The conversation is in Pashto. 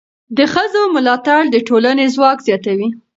د ښځو ملاتړ د ټولنې ځواک زیاتوي.